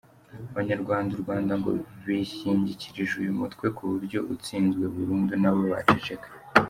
Abarwanya u Rwanda ngo bishingikirije uyu mutwe ku buryo utsinzwe burundu nabo baceceka.